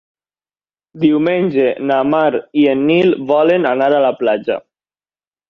Diumenge na Mar i en Nil volen anar a la platja.